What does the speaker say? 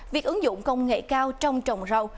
việc ứng dụng công nghệ cao trong trồng rau